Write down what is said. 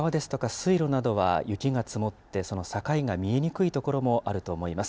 水路などは、雪が積もって、その境が見えにくい所もあると思います。